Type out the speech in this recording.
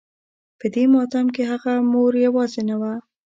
په دې ماتم کې هغه مور يوازې نه وه.